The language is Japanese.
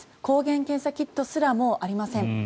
抗原検査キットすらもありません